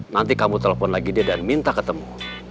nanti kamu telepon lagi dia dan minta ketemu